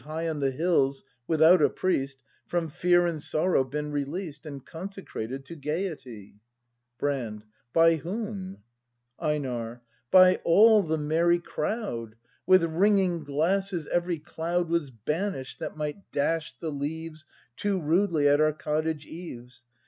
High on the hills, without a priest, From fear and sorrow been released And consecrated to gaiety. Brand. By whom ? EiNAR. By all the merry crowd. With ringing glasses every cloud Was banish'd that might dash the leaves Too rudely at our cottage eaves.